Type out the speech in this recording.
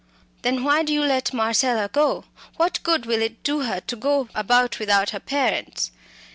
"Then why do you let Marcella go? What good will it do her to go about without her parents?